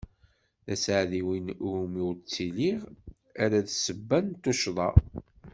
D aseɛdi win iwumi ur ttiliɣ ara d ssebba n tuccḍa.